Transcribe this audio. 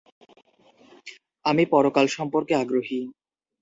আমি পরকাল সম্পর্কে আগ্রহী।